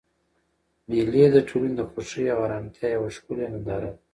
مېلې د ټولنې د خوښۍ او ارامتیا یوه ښکلیه ننداره ده.